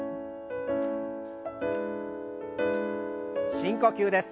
深呼吸です。